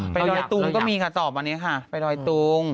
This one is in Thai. ดอยตุงก็มีค่ะตอบวันนี้ค่ะไปดอยตุง